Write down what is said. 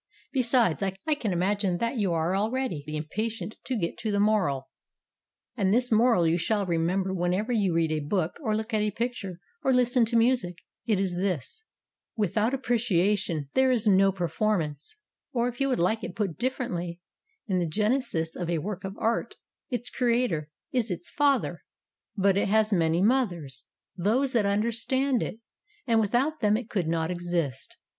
Besides, I can imagine that you are already impatient to get to the moral. 282 STORIES WITHOUT TEARS And this moral you shall remember whenever you read a book, or look at a picture, or listen to music. It is this : "Without appreciation there is no per formance." Or, if you would like it put differently: In the genesis of a work of art, its creator is its father, but it has many mothers those that under stand it; and without them it could not exist.